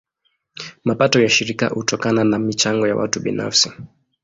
Mapato ya shirika hutokana na michango ya watu binafsi.